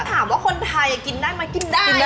ถามว่าคนไทยกินได้ไหมกินได้